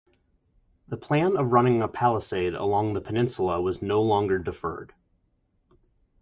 The plan of running a palisade across the peninsula was no longer deferred.